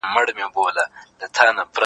قانوني وضاحت شخړې کموي.